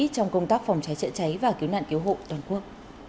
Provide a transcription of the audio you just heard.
trong công tác phòng cháy chữa cháy và cứu nạn cứu hộ toàn quốc